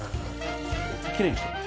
きれいにしとく。